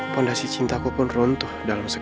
pondasi cintaku pun runtuh dalam segar